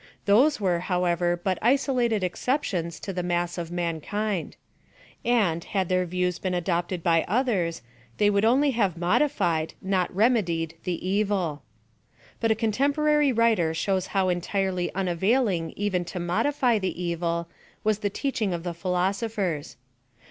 Those were, however, but isolated exceptions to the mass of mankind. And, had their views been adopted by olriiers, they would only have modified, not remedied the evil. But a contempo rary writer shows how entirely i:navailing even lo modify the evil, was the teaching of the philosophers.